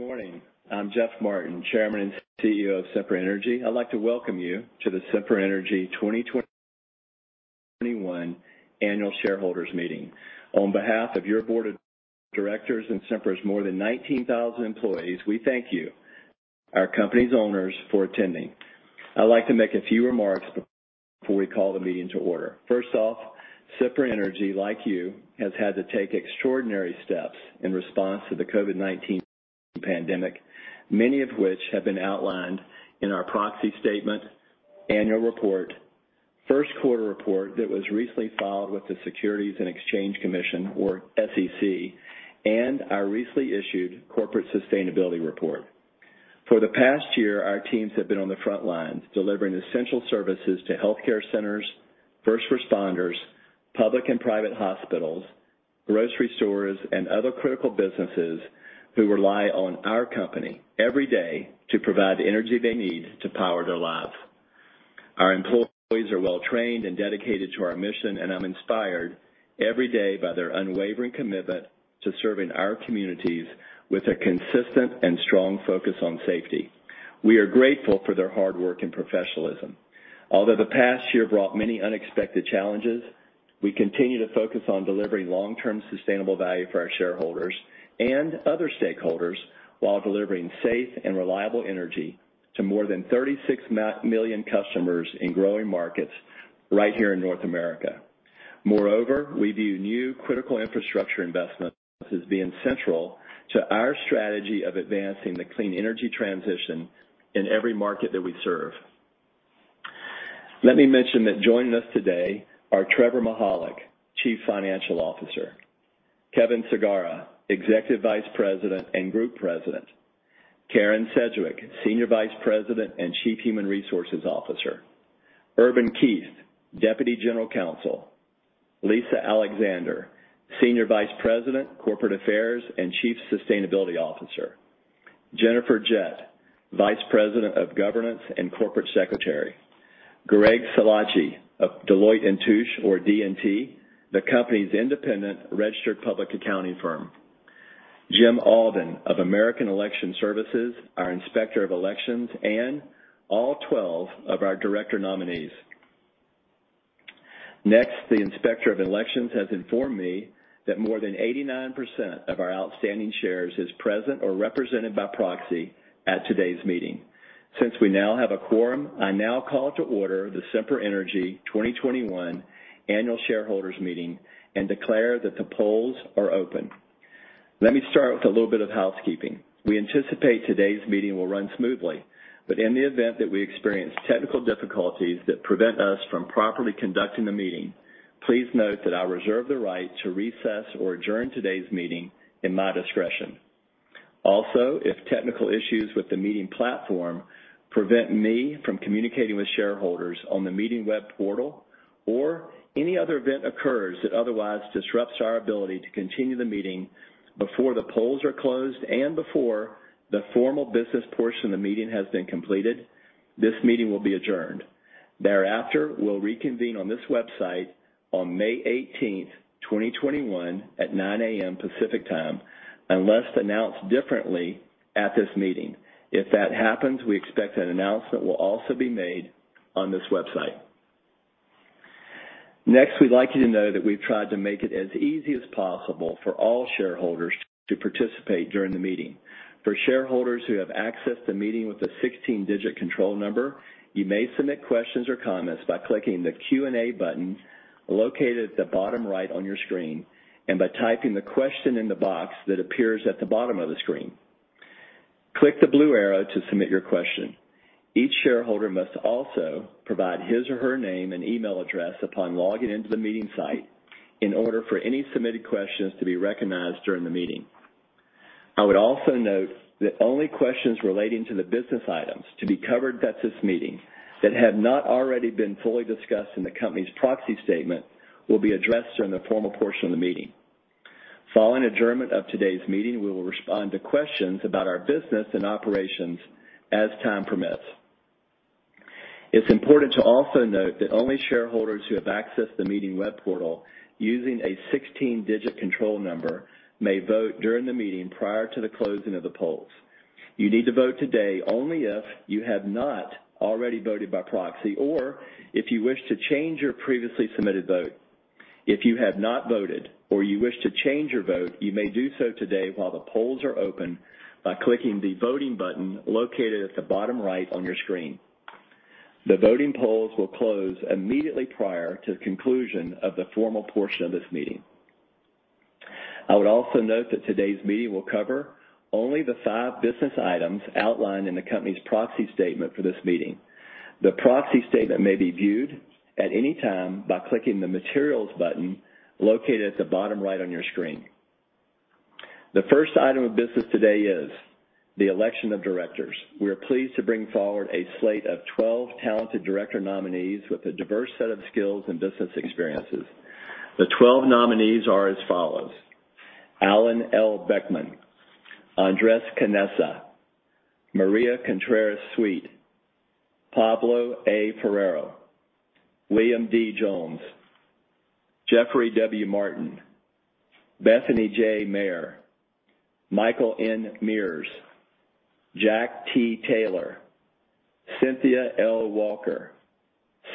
Good morning. I'm Jeff Martin, Chairman and Chief Executive Officer of Sempra. I'd like to welcome you to the Sempra 2021 Annual Shareholders Meeting. On behalf of your board of directors and Sempra's more than 19,000 employees, we thank you, our company's owners, for attending. I'd like to make a few remarks before we call the meeting to order. First off, Sempra Energy, like you, has had to take extraordinary steps in response to the COVID-19 pandemic, many of which have been outlined in our proxy statement, annual report, first quarter report that was recently filed with the Securities and Exchange Commission, or SEC, and our recently issued corporate sustainability report. For the past year, our teams have been on the front lines delivering essential services to healthcare centers, first responders, public and private hospitals, grocery stores, and other critical businesses who rely on our company every day to provide energy they need to power their lives. Our employees are well-trained and dedicated to our mission, and I'm inspired every day by their unwavering commitment to serving our communities with a consistent and strong focus on safety. We are grateful for their hard work and professionalism. Although the past year brought many unexpected challenges, we continue to focus on delivering long-term sustainable value for our shareholders and other stakeholders while delivering safe and reliable energy to more than 36 million customers in growing markets right here in North America. Moreover, we view new critical infrastructure investments as being central to our strategy of advancing the clean energy transition in every market that we serve. Let me mention that joining us today are Trevor Mihalik, Chief Financial Officer, Kevin Sagara, Executive Vice President and Group President, Karen Sedgwick, Senior Vice President and Chief Human Resources Officer, Erbin Keith, Deputy General Counsel, Lisa Alexander, Senior Vice President, Corporate Affairs, and Chief Sustainability Officer, Jennifer Jett, Vice President of Governance and Corporate Secretary, Greg Silacci of Deloitte & Touche, or D&T, the company's independent registered public accounting firm, Jim Albin of American Election Services, our Inspector of Elections, and all 12 of our director nominees. Next, the Inspector of Elections has informed me that more than 89% of our outstanding shares is present or represented by proxy at today's meeting. Since we now have a quorum, I now call to order the Sempra Energy 2021 Annual Shareholders Meeting and declare that the polls are open. Let me start with a little bit of housekeeping. We anticipate today's meeting will run smoothly, but in the event that we experience technical difficulties that prevent us from properly conducting the meeting, please note that I reserve the right to recess or adjourn today's meeting in my discretion. Also, if technical issues with the meeting platform prevent me from communicating with shareholders on the meeting web portal or any other event occurs that otherwise disrupts our ability to continue the meeting before the polls are closed and before the formal business portion of the meeting has been completed, this meeting will be adjourned. Thereafter, we'll reconvene on this website on May 18th, 2021, at 9:00 A.M. Pacific Time, unless announced differently at this meeting. If that happens, we expect an announcement will also be made on this website. We'd like you to know that we've tried to make it as easy as possible for all shareholders to participate during the meeting. For shareholders who have accessed the meeting with a 16-digit control number, you may submit questions or comments by clicking the Q&A button located at the bottom right on your screen, and by typing a question in the box that appears at the bottom of the screen. Click the blue arrow to submit your question. Each shareholder must also provide his or her name and email address upon logging into the meeting site in order for any submitted questions to be recognized during the meeting. I would also note that only questions relating to the business items to be covered at this meeting that have not already been fully discussed in the company's proxy statement will be addressed during the formal portion of the meeting. Following adjournment of today's meeting, we will respond to questions about our business and operations as time permits. It's important to also note that only shareholders who have accessed the meeting web portal using a 16-digit control number may vote during the meeting prior to the closing of the polls. You need to vote today only if you have not already voted by proxy or if you wish to change your previously submitted vote. If you have not voted or you wish to change your vote, you may do so today while the polls are open by clicking the Voting button located at the bottom right on your screen. The voting polls will close immediately prior to the conclusion of the formal portion of this meeting. I would also note that today's meeting will cover only the five business items outlined in the company's proxy statement for this meeting. The proxy statement may be viewed at any time by clicking the Materials button located at the bottom right on your screen. The first item of business today is the election of directors. We are pleased to bring forward a slate of 12 talented director nominees with a diverse set of skills and business experiences. The 12 nominees are as follows: Alan L. Boeckmann, Andrés Conesa, Maria Contreras-Sweet, Pablo A. Ferrero, William D. Jones, Jeffrey W. Martin, Bethany J. Mayer, Michael N. Mears, Jack T. Taylor, Cynthia L. Walker,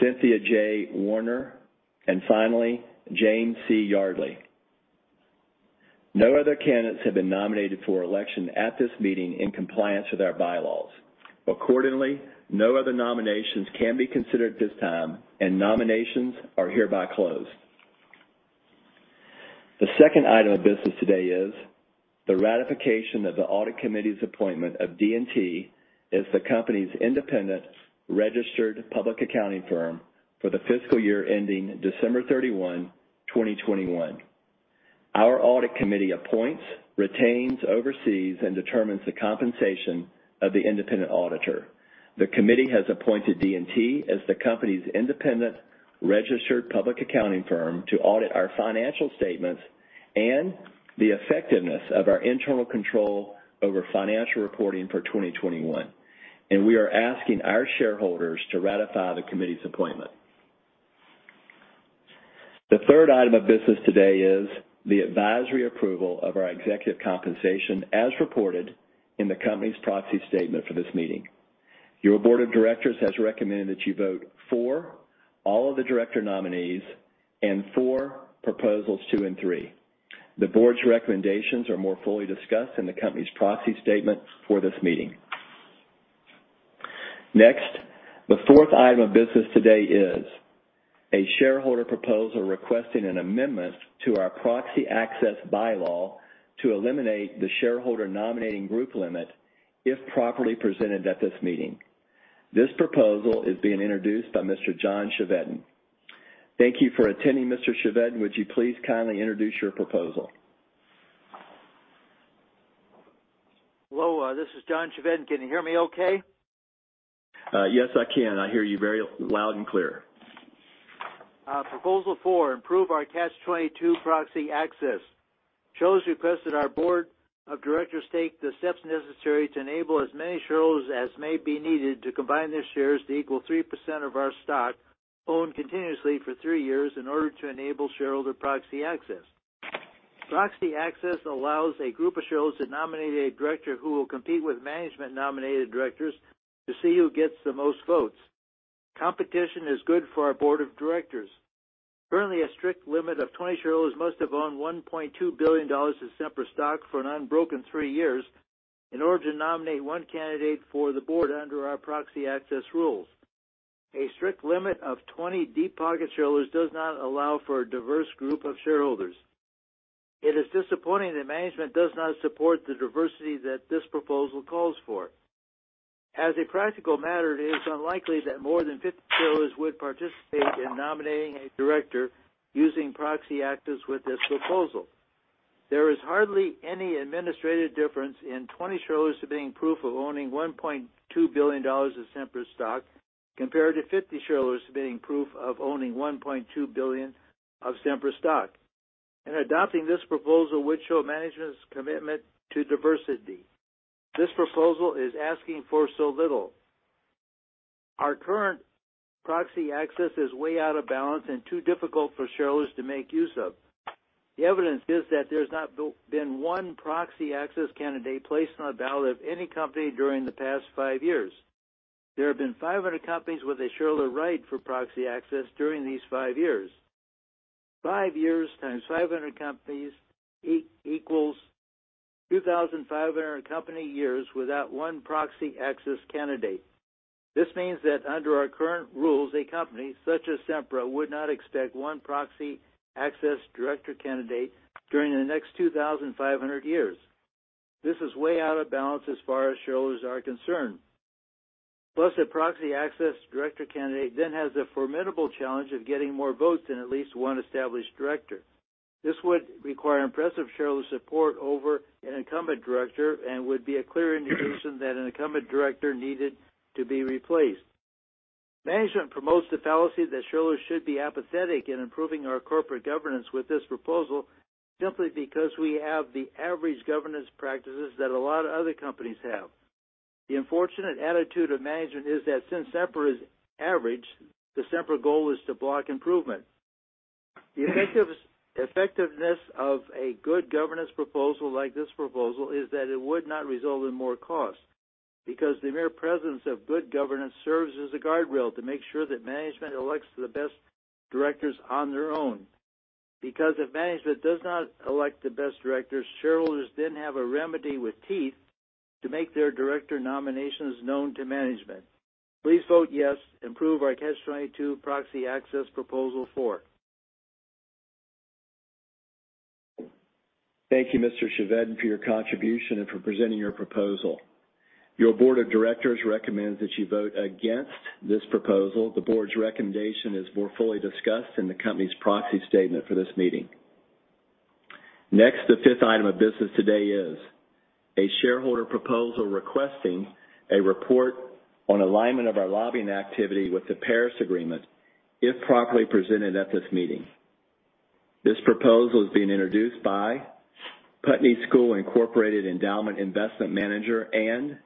Cynthia J. Warner, and finally, James C. Yardley. No other candidates have been nominated for election at this meeting in compliance with our bylaws. Accordingly, no other nominations can be considered at this time, and nominations are hereby closed. The second item of business today is the ratification of the Audit Committee's appointment of D&T as the company's independent registered public accounting firm for the fiscal year ending December 31, 2021. Our Audit Committee appoints, retains, oversees, and determines the compensation of the independent auditor. The Committee has appointed D&T as the company's independent registered public accounting firm to audit our financial statements and the effectiveness of our internal control over financial reporting for 2021, and we are asking our shareholders to ratify the Committee's appointment. The third item of business today is the advisory approval of our executive compensation as reported in the company's proxy statement for this meeting. Your board of directors has recommended that you vote for all of the director nominees and for proposals two and three. The board's recommendations are more fully discussed in the company's proxy statement for this meeting. The fourth item of business today is a shareholder proposal requesting an amendment to our proxy access bylaw to eliminate the shareholder nominating group limit if properly presented at this meeting. This proposal is being introduced by Mr. John Chevedden. Thank you for attending, Mr. Chevedden. Would you please kindly introduce your proposal? Hello, this is John Chevedden. Can you hear me okay? Yes, I can. I hear you very loud and clear. Proposal four, improve our Catch-22 proxy access. Shareholders request that our board of directors take the steps necessary to enable as many shareholders as may be needed to combine their shares to equal 3% of our stock owned continuously for three years in order to enable shareholder proxy access. Proxy access allows a group of shareholders to nominate a director who will compete with management-nominated directors to see who gets the most votes. Competition is good for our board of directors. Currently, a strict limit of 20 shareholders must have owned $1.2 billion of Sempra stock for an unbroken three years in order to nominate one candidate for the board under our proxy access rules. A strict limit of 20 deep-pocket shareholders does not allow for a diverse group of shareholders. It is disappointing that management does not support the diversity that this proposal calls for. As a practical matter, it is unlikely that more than 50 shareholders would participate in nominating a director using proxy access with this proposal. There is hardly any administrative difference in 20 shareholders submitting proof of owning $1.2 billion of Sempra stock compared to 50 shareholders submitting proof of owning $1.2 billion of Sempra stock. Adopting this proposal would show management's commitment to diversity. This proposal is asking for so little. Our current proxy access is way out of balance and too difficult for shareholders to make use of. The evidence is that there's not been one proxy access candidate placed on the ballot of any company during the past five years. There have been 500 companies with a shareholder right for proxy access during these five years. Five years times 500 companies equals 2,500 company years without one proxy access candidate. This means that under our current rules, a company such as Sempra would not expect one proxy access director candidate during the next 2,500 years. This is way out of balance as far as shareholders are concerned. A proxy access director candidate then has the formidable challenge of getting more votes than at least one established director. This would require impressive shareholder support over an incumbent director and would be a clear indication that an incumbent director needed to be replaced. Management promotes the fallacy that shareholders should be apathetic in improving our corporate governance with this proposal simply because we have the average governance practices that a lot of other companies have. The unfortunate attitude of management is that since Sempra is average, the Sempra goal is to block improvement. The effectiveness of a good governance proposal like this proposal is that it would not result in more cost, because the mere presence of good governance serves as a guardrail to make sure that management elects the best directors on their own. Because if management does not elect the best directors, shareholders then have a remedy with teeth to make their director nominations known to management. Please vote yes. Improve our Catch-22 proxy access proposal four. Thank you, Mr. Chevedden, for your contribution and for presenting your proposal. Your board of directors recommends that you vote against this proposal. The board's recommendation is more fully discussed in the company's proxy statement for this meeting. The fifth item of business today is a shareholder proposal requesting a report on alignment of our lobbying activity with the Paris Agreement, if properly presented at this meeting. This proposal is being introduced by The Putney School Incorporated, endowment investment manager and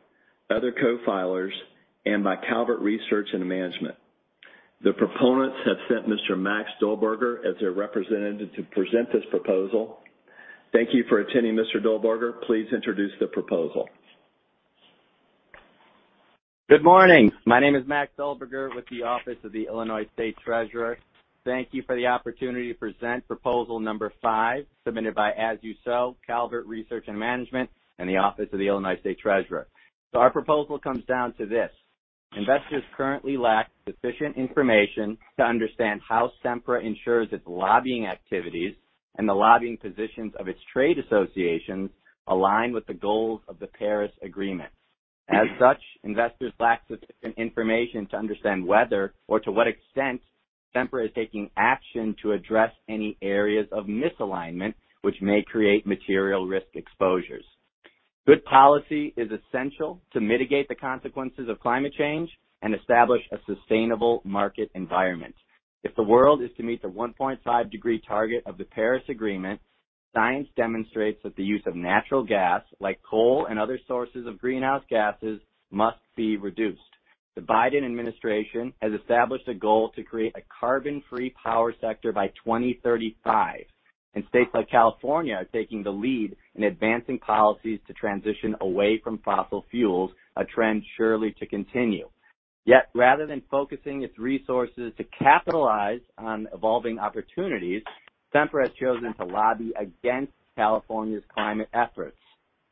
other co-filers, and by Calvert Research and Management. The proponents have sent Mr. Max Dulberger as their representative to present this proposal. Thank you for attending, Mr. Dulberger. Please introduce the proposal. Good morning. My name is Max Dulberger with the Office of the Illinois State Treasurer. Thank you for the opportunity to present proposal number five, submitted by As You Sow, Calvert Research and Management, and the Office of the Illinois State Treasurer. Our proposal comes down to this. Investors currently lack sufficient information to understand how Sempra ensures its lobbying activities and the lobbying positions of its trade associations align with the goals of the Paris Agreement. As such, investors lack sufficient information to understand whether or to what extent Sempra is taking action to address any areas of misalignment which may create material risk exposures. Good policy is essential to mitigate the consequences of climate change and establish a sustainable market environment. If the world is to meet the 1.5-degree target of the Paris Agreement, science demonstrates that the use of natural gas, like coal and other sources of greenhouse gases, must be reduced. The Biden administration has established a goal to create a carbon-free power sector by 2035, and states like California are taking the lead in advancing policies to transition away from fossil fuels, a trend surely to continue. Yet rather than focusing its resources to capitalize on evolving opportunities, Sempra has chosen to lobby against California's climate efforts.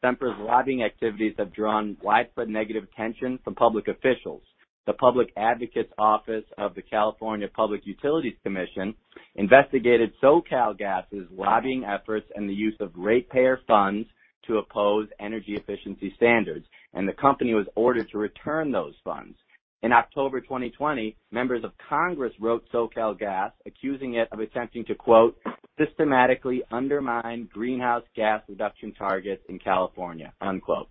Sempra's lobbying activities have drawn widespread negative attention from public officials. The Public Advocates Office of the California Public Utilities Commission investigated SoCalGas's lobbying efforts and the use of ratepayer funds to oppose energy efficiency standards, and the company was ordered to return those funds. In October 2020, members of Congress wrote SoCalGas, accusing it of attempting to, quote, "systematically undermine greenhouse gas reduction targets in California." unquote.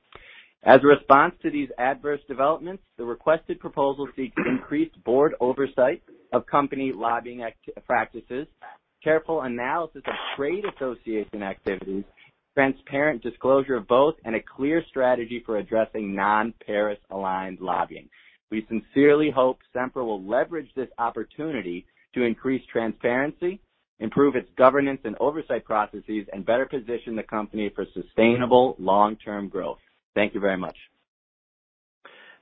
As a response to these adverse developments, the requested proposal seeks increased board oversight of company lobbying practices, careful analysis of trade association activities, transparent disclosure of both, and a clear strategy for addressing non-Paris-aligned lobbying. We sincerely hope Sempra will leverage this opportunity to increase transparency, improve its governance and oversight processes, and better position the company for sustainable long-term growth. Thank you very much.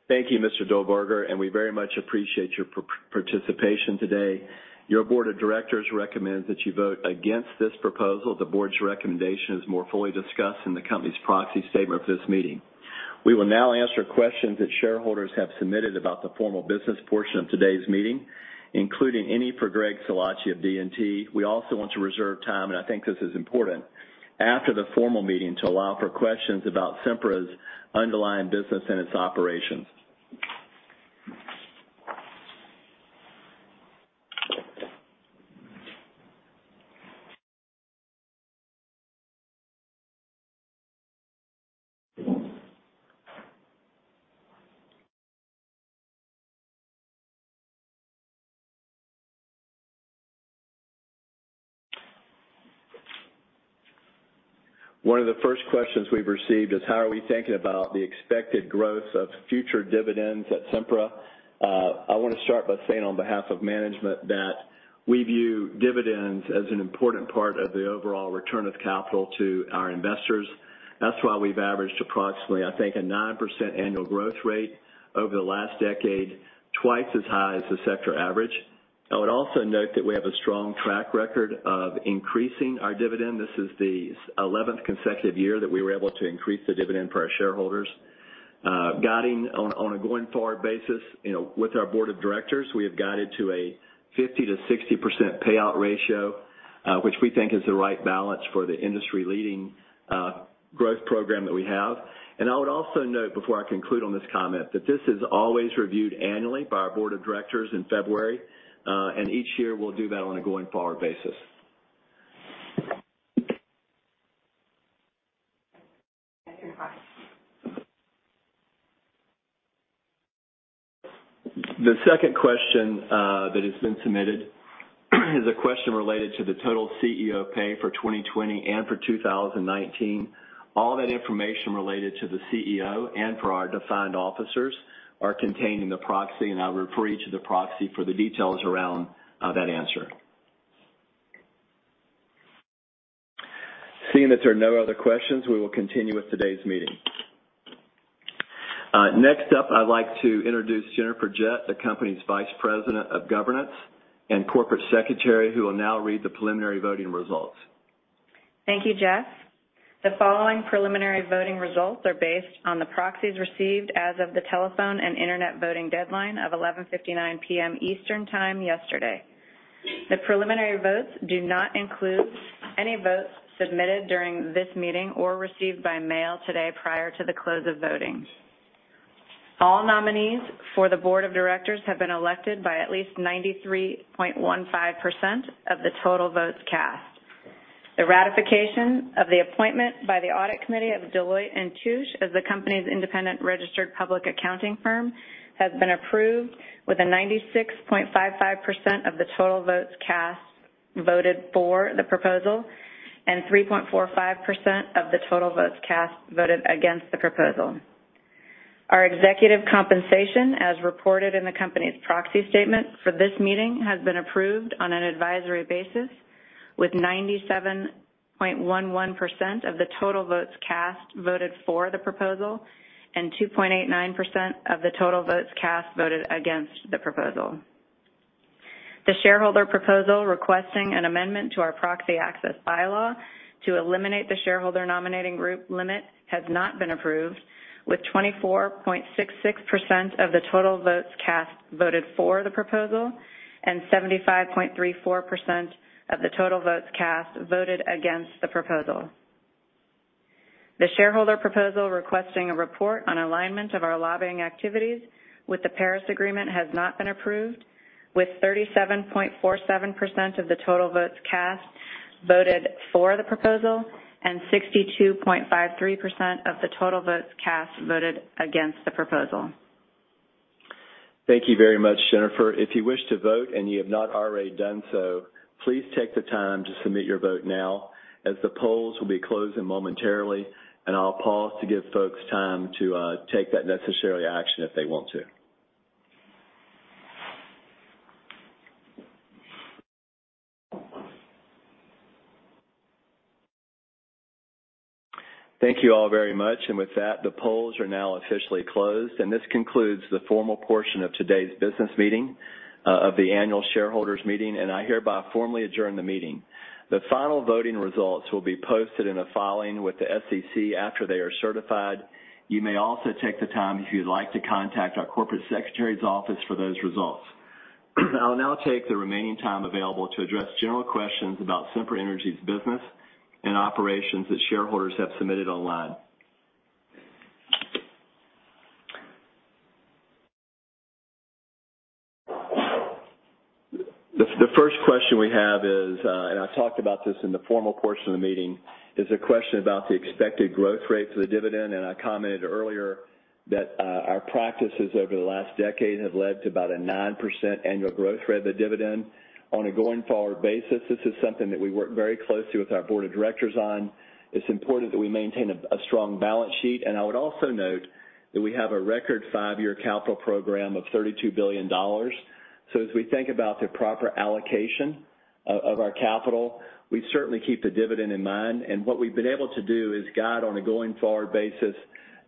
Thank you, Mr. Dulberger, we very much appreciate your participation today. Your board of directors recommends that you vote against this proposal. The board's recommendation is more fully discussed in the company's proxy statement for this meeting. We will now answer questions that shareholders have submitted about the formal business portion of today's meeting, including any for Greg Silacci of D&T. We also want to reserve time, and I think this is important, after the formal meeting to allow for questions about Sempra's underlying business and its operations. One of the first questions we've received is how are we thinking about the expected growth of future dividends at Sempra? I want to start by saying on behalf of management that we view dividends as an important part of the overall return of capital to our investors. That's why we've averaged approximately, I think, a 9% annual growth rate over the last decade, twice as high as the sector average. I would also note that we have a strong track record of increasing our dividend. This is the 11th consecutive year that we were able to increase the dividend for our shareholders. On a going-forward basis, with our Board of Directors, we have guided to a 50%-60% payout ratio, which we think is the right balance for the industry-leading growth program that we have. I would also note before I conclude on this comment that this is always reviewed annually by our Board of Directors in February, and each year we'll do that on a going-forward basis. The second question that has been submitted is a question related to the total CEO pay for 2020 and for 2019. All that information related to the CEO and for our defined officers are contained in the proxy, and I would refer you to the proxy for the details around that answer. Seeing that there are no other questions, we will continue with today's meeting. Next up, I'd like to introduce Jennifer Jett, the company's Vice President of Governance and Corporate Secretary, who will now read the preliminary voting results. Thank you, Jeff. The following preliminary voting results are based on the proxies received as of the telephone and internet voting deadline of 11:59 P.M. Eastern Time yesterday. The preliminary votes do not include any votes submitted during this meeting or received by mail today prior to the close of voting. All nominees for the board of directors have been elected by at least 93.15% of the total votes cast. The ratification of the appointment by the Audit Committee of Deloitte & Touche as the company's independent registered public accounting firm has been approved with 96.55% of the total votes cast voted for the proposal and 3.45% of the total votes cast voted against the proposal. Our executive compensation, as reported in the company's proxy statement for this meeting, has been approved on an advisory basis with 97.11% of the total votes cast voted for the proposal, and 2.89% of the total votes cast voted against the proposal. The shareholder proposal requesting an amendment to our proxy access bylaw to eliminate the shareholder nominating group limit has not been approved, with 24.66% of the total votes cast voted for the proposal and 75.34% of the total votes cast voted against the proposal. The shareholder proposal requesting a report on alignment of our lobbying activities with the Paris Agreement has not been approved, with 37.47% of the total votes cast voted for the proposal and 62.53% of the total votes cast voted against the proposal. Thank you very much, Jennifer. If you wish to vote and you have not already done so, please take the time to submit your vote now, as the polls will be closing momentarily. I'll pause to give folks time to take that necessary action if they want to. Thank you all very much. With that, the polls are now officially closed. This concludes the formal portion of today's business meeting of the annual shareholders meeting, and I hereby formally adjourn the meeting. The final voting results will be posted in a filing with the SEC after they are certified. You may also take the time if you'd like to contact our corporate secretary's office for those results. I will now take the remaining time available to address general questions about Sempra Energy's business and operations that shareholders have submitted online. The first question we have is, and I talked about this in the formal portion of the meeting, is a question about the expected growth rate for the dividend. I commented earlier that our practices over the last decade have led to about a 9% annual growth rate of the dividend. On a going-forward basis, this is something that we work very closely with our board of directors on. It's important that we maintain a strong balance sheet. I would also note that we have a record five-year capital program of $32 billion. As we think about the proper allocation of our capital, we certainly keep the dividend in mind. What we've been able to do is guide on a going-forward basis,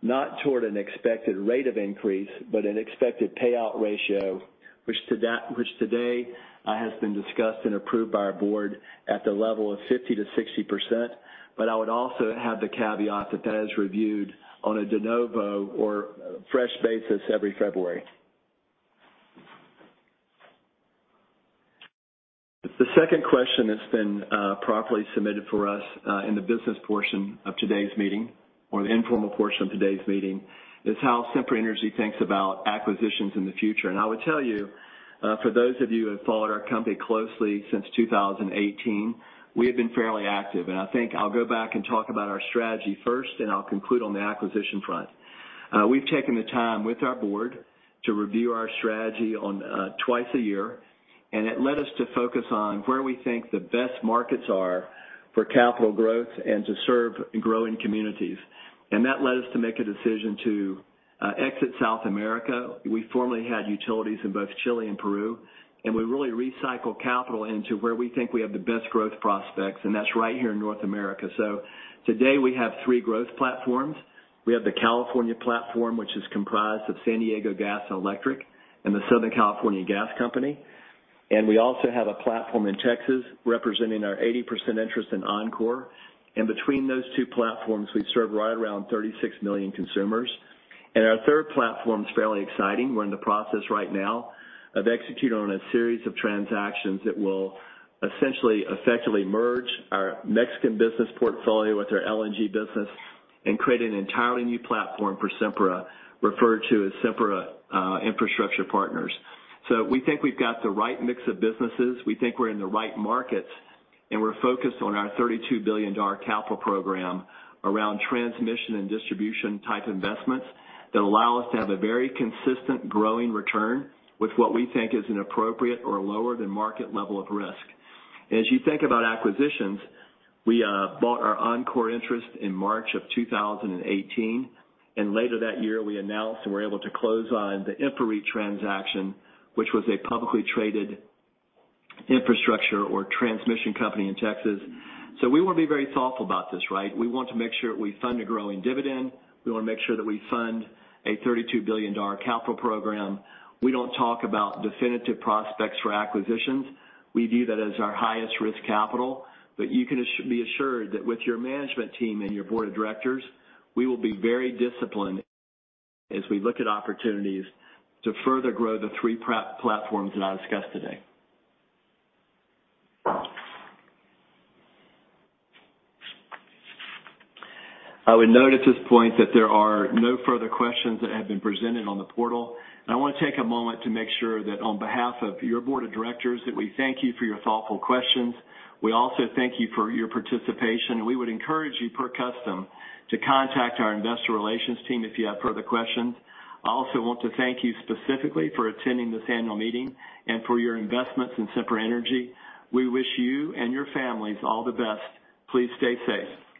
not toward an expected rate of increase, but an expected payout ratio, which today has been discussed and approved by our board at the level of 50%-60%. I would also have the caveat that that is reviewed on a de novo or fresh basis every February. The second question that's been properly submitted for us in the business portion of today's meeting, or the informal portion of today's meeting, is how Sempra thinks about acquisitions in the future. I would tell you, for those of you who have followed our company closely since 2018, we have been fairly active. I think I'll go back and talk about our strategy first, and I'll conclude on the acquisition front. We've taken the time with our board to review our strategy twice a year, it led us to focus on where we think the best markets are for capital growth and to serve growing communities. That led us to make a decision to exit South America. We formerly had utilities in both Chile and Peru, and we really recycled capital into where we think we have the best growth prospects, and that's right here in North America. Today, we have three growth platforms. We have the California platform, which is comprised of San Diego Gas & Electric and the Southern California Gas Company. We also have a platform in Texas representing our 80% interest in Oncor. Between those two platforms, we serve right around 36 million consumers. Our third platform is fairly exciting. We're in the process right now of executing on a series of transactions that will essentially effectively merge our Mexican business portfolio with our LNG business and create an entirely new platform for Sempra, referred to as Sempra Infrastructure Partners. We think we've got the right mix of businesses. We think we're in the right markets, and we're focused on our $32 billion capital program around transmission and distribution-type investments that allow us to have a very consistent growing return with what we think is an appropriate or lower-than-market level of risk. As you think about acquisitions, we bought our Oncor interest in March of 2018, and later that year we announced and were able to close on the InfraREIT transaction, which was a publicly traded infrastructure or transmission company in Texas. We want to be very thoughtful about this, right? We want to make sure we fund a growing dividend. We want to make sure that we fund a $32 billion capital program. We don't talk about definitive prospects for acquisitions. We view that as our highest-risk capital. You can be assured that with your management team and your board of directors, we will be very disciplined as we look at opportunities to further grow the three platforms that I discussed today. I would note at this point that there are no further questions that have been presented on the portal. I want to take a moment to make sure that on behalf of your board of directors, that we thank you for your thoughtful questions. We also thank you for your participation, and we would encourage you, per custom, to contact our investor relations team if you have further questions. I also want to thank you specifically for attending this annual meeting and for your investments in Sempra Energy. We wish you and your families all the best. Please stay safe.